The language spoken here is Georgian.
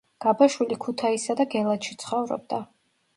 გაბაშვილი ქუთაისსა და გელათში ცხოვრობდა.